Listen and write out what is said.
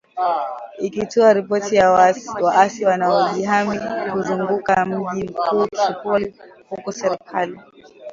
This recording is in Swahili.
ikitoa ripoti za waasi wanaojihami kuzunguka mji mkuu Tripoli huku serikali